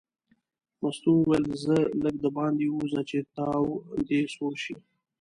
مستو وویل ځه لږ دباندې ووځه چې تاو دې سوړ شي.